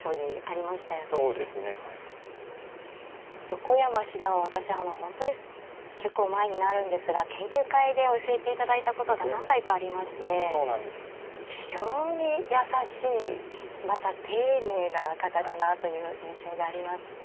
横山七段は私あの本当に結構前になるんですが研究会で教えていただいたことが何回かありまして非常に優しいまた丁寧な方だなという印象があります。